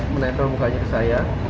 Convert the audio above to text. menempel mukanya ke saya